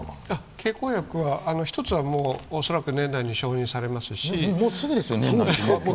経口薬は１つはもう恐らく年内に承認されますし。